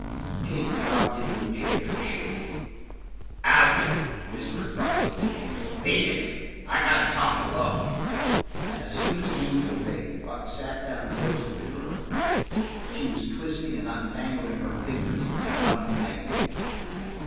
Kate dropped into a chair, shaking. "Out!" whispered Buck to Lee Haines. "Beat it. I got to talk alone." And as soon as Haines obeyed, Buck sat down close to the girl. She was twisting and untangling her fingers in a dumb agony.